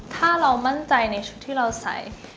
ถ้าเรามั่นใจในชุดที่เราใส่